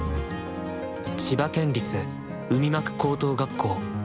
千葉県立海幕高等学校。